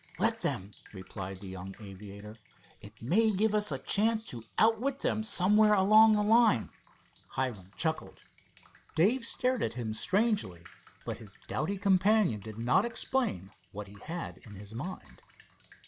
"Let them," replied the young aviator. "It may give us a chance to outwit them someplace along the line." Hiram chuckled. Dave stared at him strangely, but his doughty companion did not explain what he had in his mind.